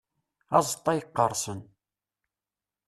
Azeṭṭa yeqqerṣen.